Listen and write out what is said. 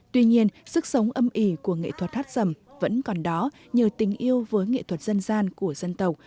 tuy nhiên sức sống âm ỉ của nghệ thuật hát sầm vẫn còn đó nhờ tình yêu với nghệ thuật dân gian của dân tộc